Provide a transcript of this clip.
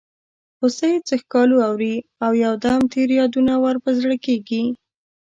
هوسۍ څه ښکالو اوري یو دم تېر یادونه ور په زړه کیږي.